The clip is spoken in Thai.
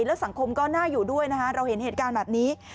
แล้วสังคมก็น่าอยู่ด้วยนะคะเราเห็นเหตุการณ์แบบนี้